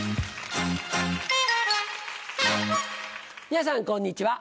皆さんこんにちは。